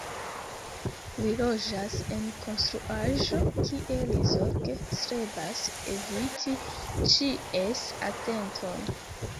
Li loĝas en konstruaĵo kie li zorge strebas eviti ĉies atenton.